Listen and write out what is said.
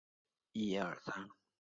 他对权力表现得不感兴趣。